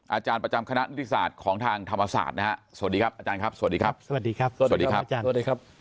อาจารย์ประจำคณะนิติศาสตร์ของทางธรรมศาสตร์นะฮะสวัสดีครับอาจารย์ครับสวัสดีครับสวัสดีครับสวัสดีครับอาจารย์สวัสดีครับ